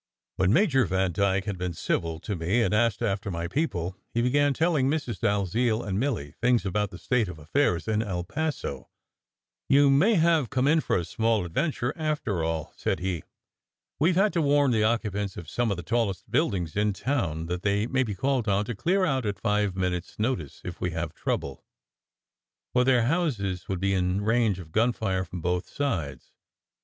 When Major Vandyke had been civil to me and asked after my "people," he began telling Mrs. Dalziel and Milly things about the state of affairs in El Paso. "You may have come in for a small adventure, after all, * said he. " We ve had to warn the occupants of some of the tallest buildings in town that they may be called on to clear out at five minutes notice, if we have trouble, for their houses would be in range of gunfire from both sides.